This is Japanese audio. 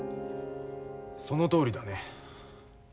そのとおりだね。